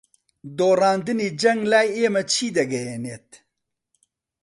دۆڕاندنی جەنگ لای ئێمە چی دەگەیەنێت؟